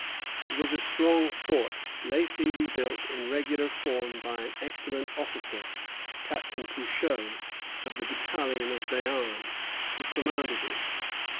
It was a strong fort, lately rebuilt in regular form by an excellent officer, Captain Pouchot, of the battalion of Béarn, who commanded it.